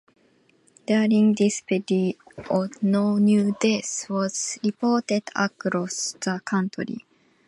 During this period no new death was reported across the country.